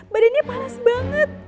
badannya panas banget